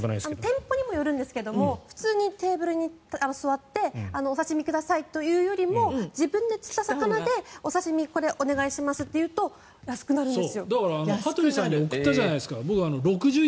店舗にもよるんですけど普通にお刺し身くださいっていうよりも自分で釣った魚でお刺身これお願いしますと言うと安くなるんです。